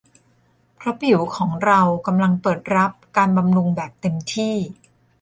เพราะผิวของเรากำลังเปิดรับการบำรุงแบบเต็มที่